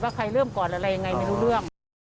บ้างนี้มีอาวุธไหม